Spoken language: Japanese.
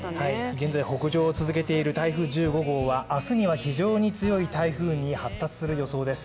現在北上を続けている台風１５号は明日には非常に強い台風に発達する予報です。